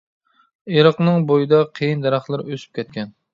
ئېرىقنىڭ بويىدا قېيىن دەرەخلىرى ئۆسۈپ كەتكەن.